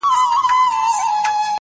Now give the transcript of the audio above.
o ستا د خولې سا ـ